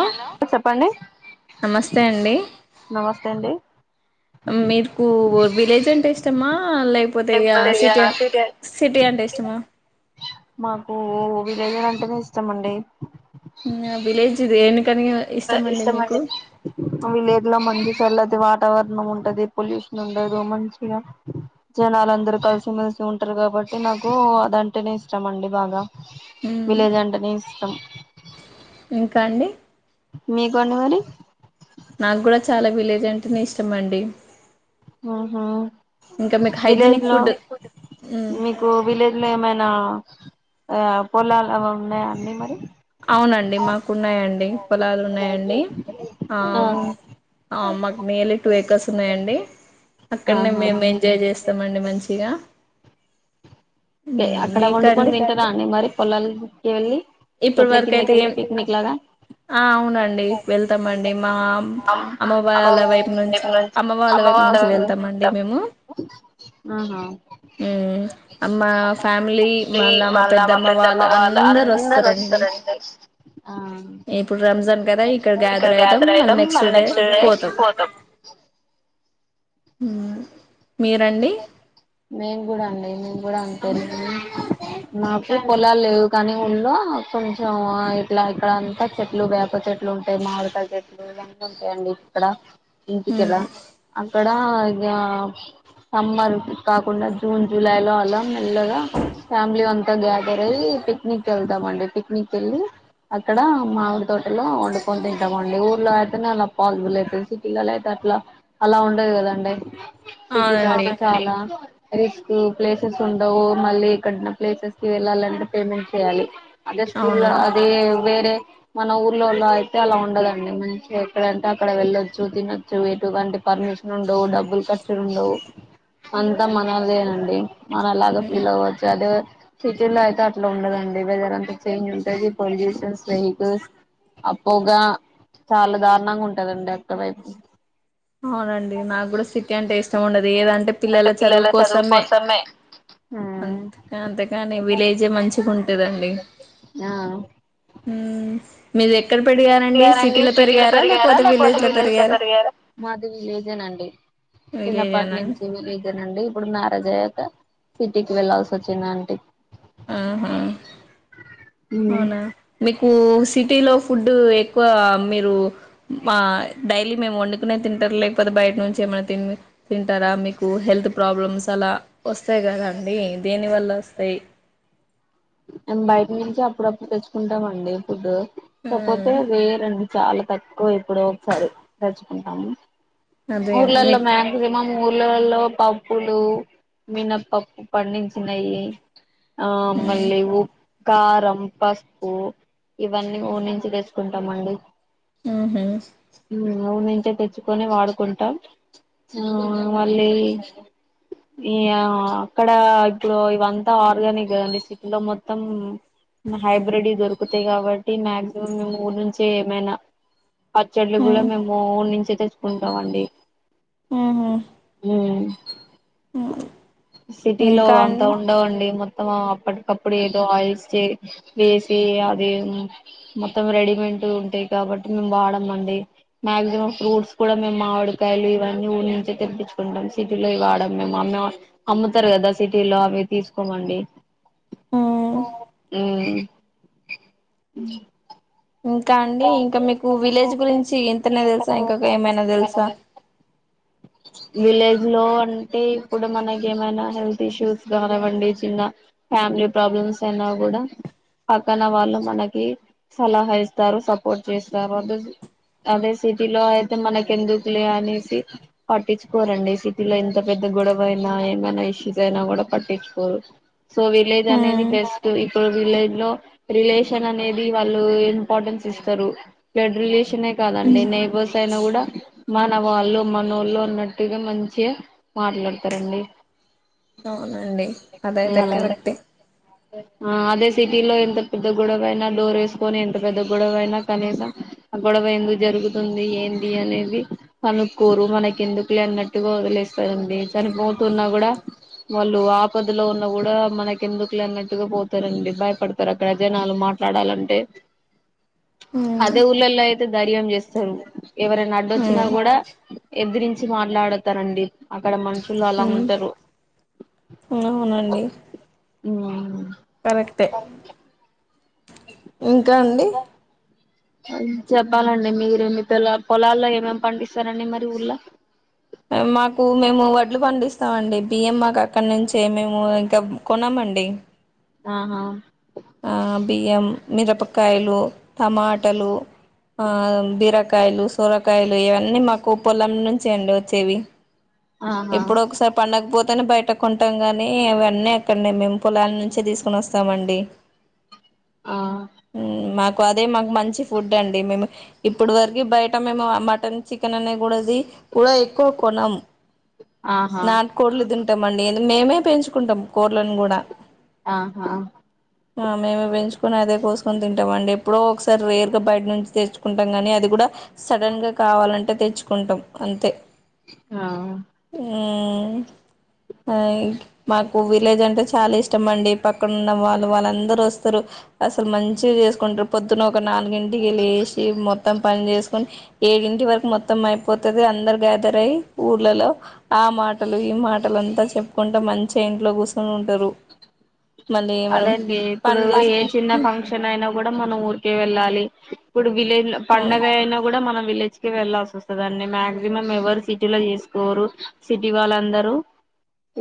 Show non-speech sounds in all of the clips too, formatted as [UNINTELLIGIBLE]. ఆ చెప్పండి నమస్తే అండి నమస్తే అండి మీకు విలేజ్ అంటే ఇష్టమా ఆ లేకపోతే ఇగ సిటీ అ సిటీ అంటే ఇష్టమా మాకు ఊ విలేజులంటేనే ఇష్టమండి ఊ ఆ విలేజ్ దేని ఆ ఇష్టమండి విలేజ్ లో మంది చల్లది వాతావరణం ఉంటది పొల్యూషన్ ఉండదు మంచిగా జనాలు అందరూ కలిసిమెలిసి ఉంటారు కాబట్టి నాకు అదంటేనే ఇష్టం అండి బాగా విలేజ్ అంటనే ఇ స్తం ఇంకా అండి మీకు అండి మరి నాకు కూడా చాలా విలేజ్ అంటేనే ఇష్టం అండి హ్మ్ హు ఇంకా మీకు విలేజ్ హైజీనిక్ లో ఫుడ్ మ్ మీకు విలేజ్ లో ఎమైనా ఆ పొలాలవి ఉన్నాయా అండి మరి అవునండి మాకు ఉన్నాయండి పొలాలు ఉన్నాయండి ఆం ఆ ఆ మాకు నియర్లీ టూ ఏకర్స్ ఉన్నాయండి అక్కడనే ఆహా మేం ఎంజాయ్ చేస్తామండి మంచిగా అక్కడ వండుకొని మీకండి దింటరా అండి మరి పొలాలు ఎళ్ళి ఇప్పటి చెట్ల వరకు కింద అయితే కెళ్ళి ఏం పిక్నిక్ లాగ ఆ అవునండి వెళ్తామండి మా అమ్మ వాళ్ళ వైపు నుంచి అమ్మ వాళ్ళ వైపు నుంచి హ్మ్ వెళ్తామండి మేము హు మ్మ్ మా ఫ్యామిలీ మళ్ళా మా పెద్దమ్మ వాళ్ళ అందరు వస్ [UNINTELLIGIBLE] ఇప్పుడు రంజాన్ కదా ఇక్కడ అవుతాం గ్యాదర్ మళ్ళీ అయితాం మల్ నెక్స్ట్ డే పోతాం ఉమ్ మేము కూడ అండి మేము కూడ అంతే మాకు పొలాలు లేవు కానీ ఊళ్లో కొంచెం ఇట్లా ఇక్కడంతా చెట్లు వేప చెట్లు ఉంటాయి మామిడికాయి చెట్లు ఇవన్నీ ఉంటాయండి ఇక్కడ మ్మ్ అక్కడా యా సమ్మర్ కాకుండా జూన్ జూలైలో అలా మెల్లగా ఫ్యామిలీ అంత గ్యాదరై పిక్నిక్ ఎల్ ద్దామండి పిక్నిక్ వెళ్ళి అక్కడ మామిడి తోటలో వండుకొని తింటామండి ఊర్లో అయితేనే అలా పాజిబుల్ అవుతుది సిటీలలో అయితే అట్లా అలా ఉండదు కదండి సిటీలో అవునండి అయితే చాలా రిస్క్ ప్లేసెస్ ఉండవు మళ్ళీ ఎక్కడనా ప్లేసెస్ కి వెళ్ళాలంటే పేమెంట్ చేయాలి ఆధార్ స్కూల్లో అవునండి అదే వేరే మన ఊర్లోలో అయితే అలా ఉండదండి మంచిగా ఎక్కడంటే అక్కడ వెళ్ళొచ్చు తినొచ్చు ఎటువంటి పర్మిషన్ ఉండవు డబ్బులు ఖర్చు ఉండవు అంతా మనదే అండి మనలాగ మ్మ్ ఫీల్ అవ్వచ్చు అదే సిటీ లో అయితే అట్లా ఉండదండి వెదర్ అంత చేంజ్ ఉంటది పొల్యూషన్ వెహికల్స్ ఆ పొగ చాలా దారుణంగా ఉంటదండి అక్కడ వైపు అవునండి నాకు కూడా సిటీ అంటే ఇష్టం ఉండదు ఏదంటే పిల్లల చదువు కోసమే అ అంతేకాని విలేజే మంచిగా ఉంటదండి ఆ ఉమ్ మీరు ఎక్కడ పెడిగారండి సిటీలో పెరిగారా లేకపోతే విలేజ్ లో పెరిగారా మాది విలేజేనండి విలేజ్ చిన్నప్పటి ఏనా అండి? నుంచి విలేజ్ అండి ఇప్పుడు మ్యారేజ్ అయ్యాక సిటీకి వెళ్లాల్సి వచ్చిందంటి ఆహా అవునా మి కు సిటీలో ఫుడ్ ఎక్కువ మీరు మా డైలీ మేము వండుకునే తింటార్ లేకపోతే బయట నుంచి ఏమైనా తి తింటారా మీకు హెల్త్ ప్రాబ్లమ్స్ అలా వస్తాయి కదా అండి దేనివల్ల వస్తాయి మేమ్ బయట నుంచి అప్పుడప్పుడు తెచ్చుకుంటామండి ఫుడ్ కపోతే మ్మ్ వేరం చాలా తక్కువ ఎప్పుడో ఒకసారి తెచ్చుకుంటాము అదే మీ ఊర్లల్లో మాక్సిమ ఊళ్ళల్లో పప్పులు మినప్పప్పు పండించినయి ఆ మ్మ్ మళ్లీ ఊ కారం పసుపు ఇవన్నీ ఊరి నుంచి తెచ్చుకుంటామండి ఆహా ఊరు నుంచే తెచ్చుకొని వాడ్ టాం ఆ మళ్ళీ ఈ అక్కడ ఇప్పుడు ఇవంతా ఆర్గానిక్ కదండీ సిట్లో మొత్తం హైబ్రిడ్ వి దొ క్కుతయి కాబట్టి మ్యాగ్జిమం మేము ఊరి నుంచే ఏమైనా పచ్చడ్లు గూడా మ్మ్ మేము ఊర్నించే తెచ్చుకున్ టవండి మ్మ్ హ్మ్ సిటీలో ఇంకా అంతా అండి ఉండవండి మొత్ ఆ అప్పటికప్పుడు ఏదో ఆయిల్స్ వేసి అది మొత్తం రెడీమేంట్ ఉంటాయి కాబట్టి మేము వాడమ మాగ్జిమం ఫ్రూట్స్ కూడా మేమ్ మావిడికాయలు ఇవన్నీ ఊరి నుంచే తెప్పిచ్చుకుంటాం సిటీలో అవి వాడం మేము అమ్మ అమ్ముతారు కదా సిటీలో అవి తీసుకోమండి మ్మ్ హ్మ్ ఇంకా అండి ఇంకా మీకు విలేజ్ గురించి ఇంతనే తెలుసా ఇంకా ఏమైనా తెలుసా విలేజ్ లో అంటే ఇప్పుడు మనకి ఏమైనా హెల్త్ ఇష్యూస్ కానివ్వండి చిన్న ఫ్యామిలీ ప్రాబ్లమ్స్ అయినా కూడా పక్కన వాళ్ళు మనకి సలహా స్తారు సపోర్ట్ చేస్తారు అదే అదే సిటీలో అయితే మనకెందుకులే అనేసి పట్టించుకోరండి సిటీలో ఎంత పెద్ద గొడవ అయినా ఏమైనా ఇష్యూస్ అయినా కూడా పట్టించుకోరు సో విలేజ్ అనేది మ్మ్ బెస్ట్ ఇప్పుడు విలేజ్ లో రిలేషన్ అనేది వాళ్ళు పాటించేస్తరు బ్లడ్ రిలేషన్ నే కాదండి మ్మ్ నైబర్స్ నేను కూడా మన వాళ్ళు మనోళ్ళ అన్నట్టుగా మంచిగా మాట్లాడతారండి అవునండి అదైతే అలాంటప్పుడు కరెక్టే ఆ అదే సిటీలో ఎంత పెద్ద గొడవైనా డోరేసుకొని పె పెద్ద గొడవ అయినా కనీసం ఆ గొడవ ఎందుకు జరుగుతుంది ఏంది అనేది కనుక్కోరు మనకి ఎందుకులే అన్నట్టుగా వదిలేస్తారండి చనిపోతున్నా కూడా వాళ్ళు ఆపదలో ఉన్న కూడా మనకి ఎందుకులే అన్నట్టుగా పోతారండి భయపడతారు అక్కడ జనాలు మాట్లాడాలంటే మ్మ్ అదే ఊళ్లల్లో అయితే ధైర్యం చేస్తారు ఎవరైనా అడ్డొచ్చినా మ్మ్ కూడా ఎదిరించి మాట్లాడతారండి అక్కడ మన లు అలాగ ఉంటారు ఆ అవునండి మ్ కరెక్టే ఇంకా అండి చెప్పాలండి మీరు ఎన్ని పల పొలాల్లో ఏమేమి పండిస్తారండి మరి ఊర్ళ మాకు మేము వడ్లు పండిస్తామండి బియ్యం మాకు అక్కడ నుంచే మేము ఇంకా కొనమండి ఆహా ఆ బియ్యం, మిరపకాయలు, టమాటలు, బీరకాయలు, సొరకాయలు ఇవన్నీ మాకు పొలం నుంచే అండి వచ్చేవి. ఆహా ఎప్పుడో ఒకసారి పండక్ పో త్తని బయట కొంటాం కానీ, అవన్నీ అక్కడనే మేం పొలాల నుంచే తీసుకొని వస్తామండి. ఆ హు మాక్ పదే మాక్ మంచి ఫుడ్ అండి మేము ఇప్పుడు వరకి, బయట మేము మటన్, చికెన్ అనే కూడది కూడా ఎక్కువ కొనమ్. ఆహా నాట్ కోళ్ దిన్ తింటామండి మేమే పెంచుకుంటాం కోళ్లను కూడా ఆహా ఆ మేమే పెంచుకొని అదే కోసుకొని తింటాం అండి, ఎప్పుడో ఒకసారి రేర్ గా బయట నుంచి తెచ్చుకుంటాం గానీ అది గూడ. సడన్ గా కావాలన్ ట్ట తెచ్చుకుంటాం అంతే ఆ మాకు విలేజ్ అంటే చాలా ఇష్టం అండి పక్కన ఉన్న వాళ్ళు వాళ్ళుందరుూ వస్తారు అసలు మంచిగా చేసుకుంటారు పొద్దున్న ఒక నాలుగింటికి వెళ్ళసి మొత్తం పని చేసుకుొని ఏడింటి వరకు మొత్తం అయిపోతుంది అందరు గ్యాదర్ అయ్యి ఊళ్ళలో ఆ మాటలు ఈ మాటలుంతా చెప్పుకుంటూ మంచిగా ఇంట్లో కూర్చొని ఉంటారు మళ్ళీ మనం అదేండి ఇప్పుడు పని ఏ చేసుకు చిన్న ఫంక్షన్ అయినా కూడా మనం ఊరికే వెళ్ళాలి కుడు విలేజ్ అవును లోపండగ అయినా కూడా మన విలేజ్ వెళ్లాల్సి వస్తుందిన్ని మాక్సిమం ఎవరు సిటీ లో చేసుకోరు సిటీ వాళ్ళందరూ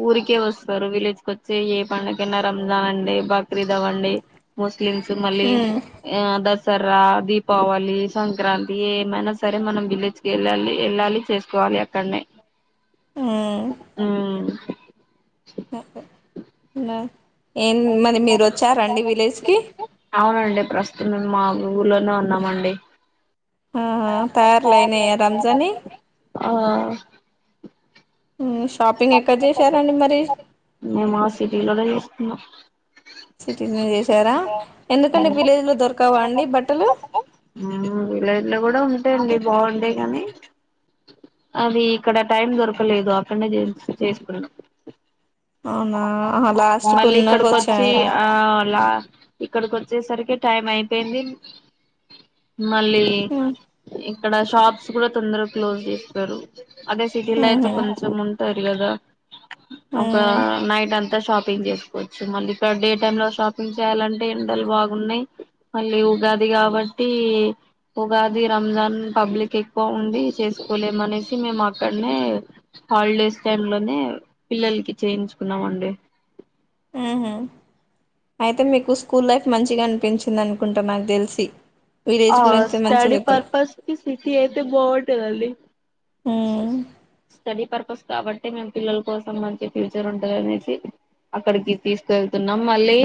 ఊరికే వస్తారు విలేజ్ కోచ్చే ఏ పండుకయిన దావండి బక్రీ దావ్వండి ముస్ క్లీన్ సుమల్లి మ్మ్ ఎం అద సరా దీపావళి సంక్రాంతి ఏమైనా సరే మనం విలేజ్ కి వెళ్ళాలి వెళ్ళాలి చేసుకోవాలి అక్కడనే ఆవు న అవునండి అంటే ప్రస్తుతం మా ఊర్లోనే ఉన్నామండి ఆ తయారులైనే రంజానీ ఆ షాపింగ్ ఎక్కడ చేశారాండి మరి మేము ఆ సిటీలోనే తీసుకున్నాం సిటీస్ని చేశారా ఎందుకండి విలేజ్లో దొరకావా అండి బట్టలు విలేజ్ లో కూడా ఉంటాయండి బాగుండే గాని అది ఇక్కడ టైం దొరకలేదు అక్కెడనే జేరు చేసుకుని అవునా ఆహా లాస్ట్ మళ్ళీ కొన్నాక ఇక్కడి కోచ్చి వచ్చారా ఆ అలా ఇక్కడికి వచ్చేసరికి టైం అయిపోయింది మళ్ళీ ఇక్కడ షాప్స్ కూడా తొందరగా క్లోజ్ చేస్తారు అదే సిటీలోయితే ఉహు కొంచెం ము సరిలేదా ఉ ఒకకా నైట్ అంతా అ షాపింగ్ చేసుకోవచ్చు మళ్ళీ ఇక్కడ డే టైమ్ లో షాపింగ్ చేయాలంటే ఎండలు బాగున్నాయి మళ్ళీ ఉగాది కాబట్టి ఉగాది రంజాన్ పబ్లిక్ ఎక్కువ ఉంది చేసుకోలేమనేసి మేము అక్కడనే హాలిడేస్ సేర్ లోనే పిల్లలకి చేయించుకున్నామ అండి అయితే మీకు స్కూల్ లైఫ్ మంచిగా అనిపించింది అనుకుంటా నాకు తెలిసి విలేజ్ ఆ గురించి మంచిగా స్టడీ చెప్తున్నా పర్పస్కి సిటీ అయితే బోర్డ్ టూ వల్లి అ స్టడీ పర్పస్ కాబట్టి మేము పిల్లల కోసం మంచి ఫ్యూచర్ ఉంటంది అనేసి అక్కడికి తీసుకెళ్తున్నాం మళ్ళీ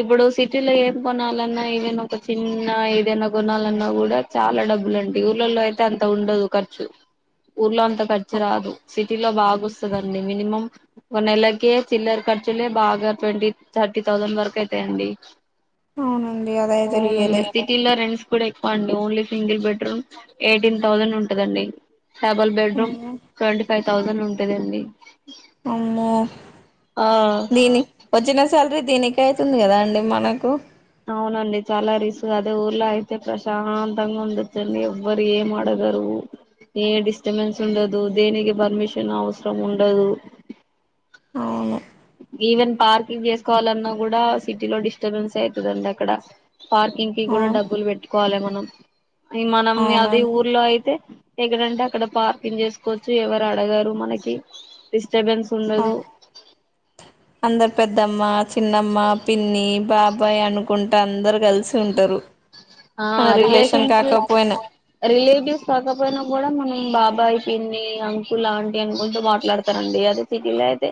ఇప్పుడు సిటీలో ఏం కొనాలన్నా ఏదైనా ఒక చిన్న ఏదైనా కొనాలన్నా కూడా చాలా డబ్బులుంటే ఊర్లలో అయితే అంత ఉండదు ఖర్చు ఊర్లో అంత ఖర్చు ర్చ రాదు సిటీ లో బాగా వస్తుందండి మినిమం ఒక నెలక చిల్లర ఖర్చులే బాగా ట్వంటీ థర్టీ థౌజండ్ వరకు అయితాయిడి అవునండి అదయితే ఓ రియలే సిటీలా రెండ్స్ కూడా ఎ only single bedroom eighteen thousand ఉంటందండి double bed room um twenty five thousand ఉంటదండి అమ్మో ఆ దీని వచ్చిన శాలరీ దీనికి అవుతుంది కదా అండి మనకు అవునండి చాలా రిస్క్ అదే ఊర్లో అయితే ప్రశాంతంగా ఉండొచ్చండి ఎవ్వరు ఏం ఆడగరు ఏ డిస్టబెన్స్ ఉండదు దేనికి పర్మిషన్ అవసరం ఉండదు అవును ఈవెన్ పార్కింగ్ చేసుకోవాలన్నా కూడా సిటీలో డిస్టర్బెన్స్ అవుతుందండి అక్కడ పార్కింగ్ కి కూడా అవు డబ్బులు పెట్ కోవాలి మనం ఇది మనం అది అవునండి ఊర్లో అయితే ఎక్కడంటే అక్కడ పార్కింగ్ చేసుకోవచ్చు ఎవరు అడగరు మనకి డిస్ డిస్టర్బెన్స్ ఉండదు అవును అందరు పెద్దమ్మ చి పిన్నమ్మా పిన్ని బాబాయ్ అనుకుంట అందరు కలిసి ఉంటారు ఆ మన రిలేషన్ రిలేషన్స్ కాకపోయినా రిలేటివ్స్ కాకపోయినా కూడా మనం బాబాయ్ పిన్ని అంకుల్ ఆంటి అనుకుంటా మాట్లాడతారండి అదే సిటీలో అయితే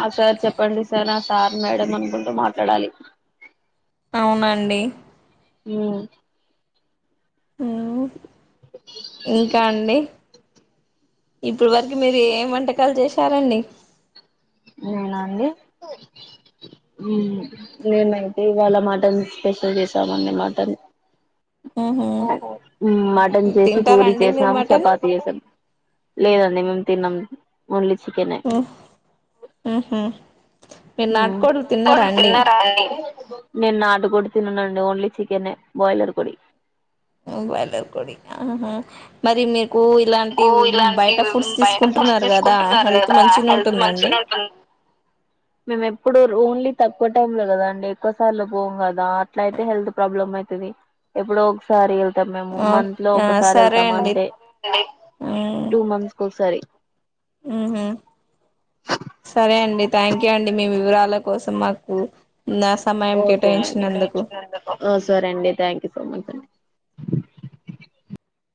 ఆ సార్ చెప్పండి సార్ సార్ మేడం అనుకుంటూ మాట్లాడాలి అవునండి ఊ ఇం ఇంకా అండి ఇప్పుడు వరకు మీరు ఏ ఏం వంటకాలు చేసి ఉంటారండి నేనా అండి మేమైతే ఇవాళ మటన్ స్పెషల్ చేసామండి మటన్ ఉహు మటన్ చేసి పూరి తింటారండి మీరు చేశాం మటన్ చపాతి చేశాం లేదండి మేము తినం ఓన్లీ చికెనే ఓహ్ ఆహ హుమ్ నాటు కోడ్లు తిన్నారా అండి నేను నాటు కొడి తిన్నానండి ఓన్లీ చికెన్ ఎ బాయిలర్ కోడి బాయిలర్ కోడి ఆహా మరి మీరు కూ ఇటులాంటి కు ఇలాంటి బయట ఫుడ్స్ బయట ఫుడ్స్ తీసుకుంటున్నారు కదా తీసుకుంటున్నారు హెల్త్ కదా మంచిగానే హెల్త్ ఉంటుందండి ఎప్పుడో రో ఓన్లీ తక్కువ టైంలో కదా అండి ఎక్కువ సార్లు పోం కదా అట్ల అయితే హెల్త్ ప్రాబ్లమ్ అయితది ఎప్పుడో ఒకసారి ఎ మేము మంత్ లో ఆ ఒకసారి సరే వెళ్తాము అండి అంటే టూ మంత్స్ ఒకసారి ఉ హుమ్ సరే అండి థ్యాంక్ యూ అండి మీ వివరాల కోసం మాకు నా సమయం ఓకే అండి కేటాయించినందుకు ఆ సరే అండి thank you so much an